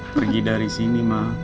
pergi dari sini ma